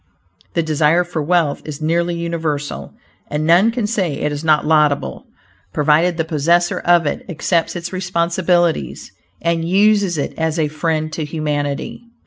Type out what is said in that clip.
The desire for wealth is nearly universal, and none can say it is not laudable, provided the possessor of it accepts its responsibilities, and uses it as a friend to humanity.